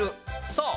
そう！